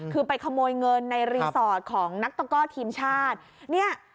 คือไปขโมยเงินในรีสอร์ทของนักตะเกาะธีมชาติ